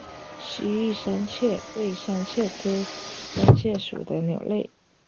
西域山雀为山雀科山雀属的鸟类。